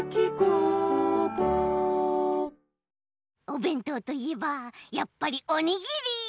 おべんとうといえばやっぱりおにぎり。